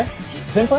先輩。